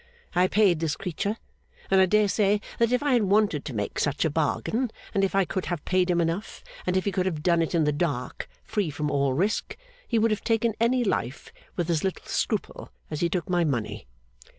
I paid this creature. And I dare say that if I had wanted to make such a bargain, and if I could have paid him enough, and if he could have done it in the dark, free from all risk, he would have taken any life with as little scruple as he took my money.